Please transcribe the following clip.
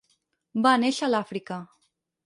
Va néixer a l'Àfrica.